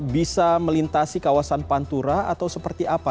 bisa melintasi kawasan pantura atau seperti apa